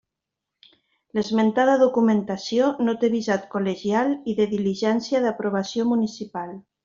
L'esmentada documentació no té visat col·legial i de diligència d'aprovació municipal.